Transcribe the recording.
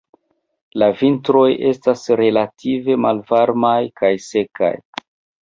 La vintroj estas relative malvarmaj kaj sekaj.